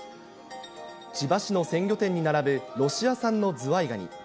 千葉市の鮮魚店に並ぶロシア産のズワイガニ。